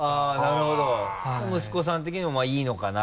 なるほど息子さん的にもいいのかなと。